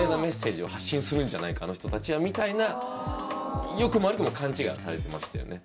「するんじゃないかあの人たちは」みたいな良くも悪くも勘違いをされてましたよね。